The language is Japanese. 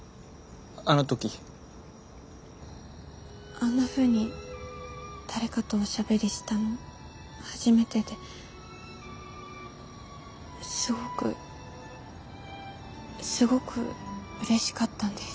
あんなふうに誰かとおしゃべりしたの初めてですごくすごくうれしかったんです。